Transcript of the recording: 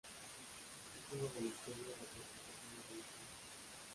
Es unos de los pueblos representativos de la zona.